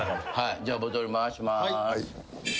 じゃあボトル回します。